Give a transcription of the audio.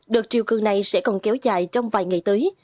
đợt triều cường này sẽ còn kéo dài trong vài ngày tới